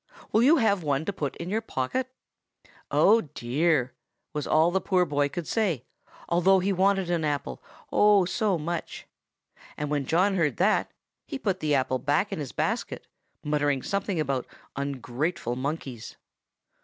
'Will you have one to put in your pocket?' "'Oh, dear!' was all the poor boy could say, though he wanted an apple, oh, so much! And when John heard that he put the apple back in his basket, muttering something about ungrateful monkeys.